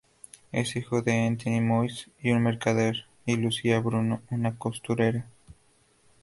Es hijo de Étienne Moïse, un mercader, y Lucia Bruno, una costurera.